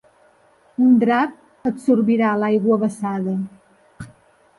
Un drap absorbirà l'aigua vessada.